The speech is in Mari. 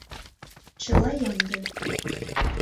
Чыла ямде...